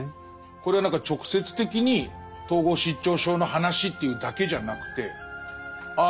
これは何か直接的に統合失調症の話というだけじゃなくてああ